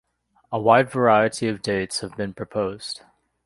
A wide variety of dates have been proposed.